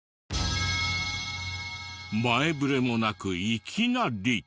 前触れもなくいきなり。